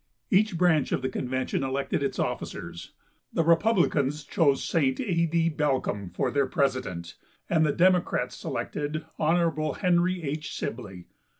Each branch of the convention elected its officers. The Republicans chose St. A. D. Balcombe for their president, and the Democrats selected Hon. Henry H. Sibley.